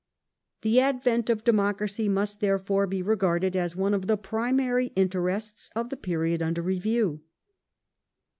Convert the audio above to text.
The advent of Democracy must, therefore, be regarded as one of the primary interests of the period under i eview.